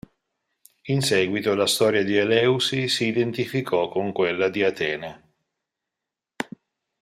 In seguito la storia di Eleusi si identificò con quella di Atene.